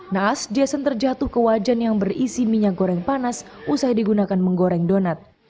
naas jason terjatuh ke wajan yang berisi minyak goreng panas usai digunakan menggoreng donat